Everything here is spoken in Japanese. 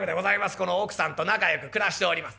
この奥さんと仲よく暮らしております。